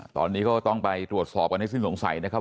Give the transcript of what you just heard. ตอนนี้ก็ต้องไปตรวจสอบกันให้สิ้นสงสัยนะครับ